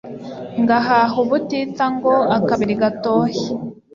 ngahaha ubutitsa ngo akabiri gatohe